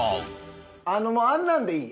あのもうあんなんでいい。